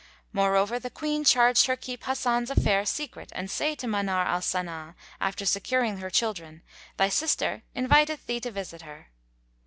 Moreover the Queen charged her keep Hasan's affair secret and say to Manar al Sana, after securing her children, "Thy sister inviteth thee to visit her."